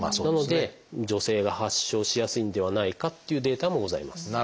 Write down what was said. なので女性が発症しやすいんではないかっていうデータもございます。